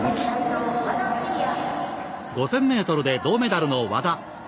５０００ｍで銅メダルの和田。